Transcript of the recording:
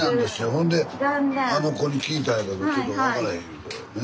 ほんであの子に聞いたんやけどちょっと分からへん言うてね。